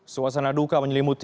suasana duka menyelimut